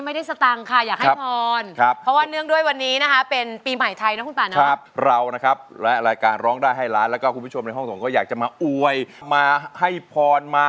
ไม่ได้สตังค่ะอยากให้ฝร